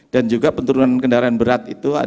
dan juga penurunan kendaraan berat itu